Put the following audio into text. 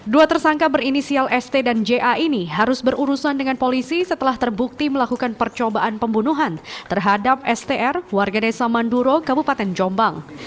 dua tersangka berinisial st dan ja ini harus berurusan dengan polisi setelah terbukti melakukan percobaan pembunuhan terhadap str warga desa manduro kabupaten jombang